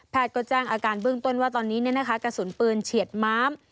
ก็แจ้งอาการเบื้องต้นว่าตอนนี้กระสุนปืนเฉียดม้าม